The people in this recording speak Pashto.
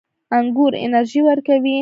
انګور انرژي ورکوي